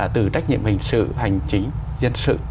từ trách nhiệm hình sự hành chính dân sự